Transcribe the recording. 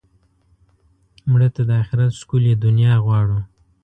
مړه ته د آخرت ښکلې دنیا غواړو